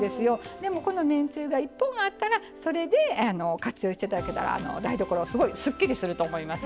でも、このめんつゆが１本あったらそれで、活用していただけたら台所が、すごいすっきりすると思います。